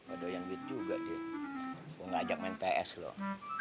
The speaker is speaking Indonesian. aduh yang duit juga deh ngajak main ps loh